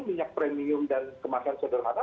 minyak premium dan kemasan sederhana